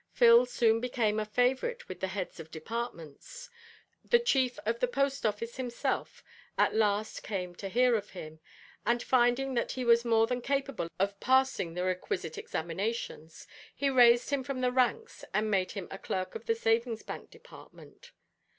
Phil soon became a favourite with the heads of departments. The Chief of the Post Office himself at last came to hear of him, and, finding that he was more than capable of passing the requisite examinations, he raised him from the ranks and made him a clerk in the Savings Bank Department.